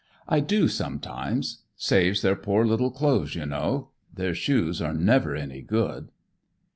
I do sometimes. Saves their poor little clothes, you know. Their shoes are never any good."